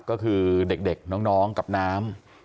ก็คือเด็กน้องกับน้ำ